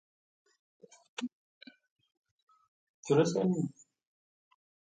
They're all a bunch of whores.